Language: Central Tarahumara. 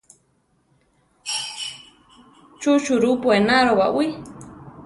Chú churupo enaro baʼwí?